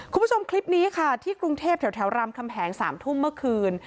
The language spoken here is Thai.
คุณผู้ชมคลิปนี้ค่ะที่กรุงเทพแถวรามคำแหง๓ทุ่มเมื่อคืน